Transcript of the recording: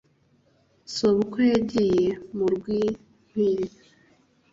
sobukwe yagiye mu rwimpiri